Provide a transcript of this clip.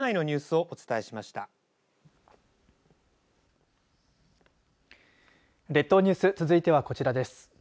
列島ニュース続いては、こちらです。